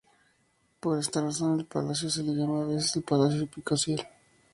Por esta razón al palacio se le llama a veces el Palacio Episcopal.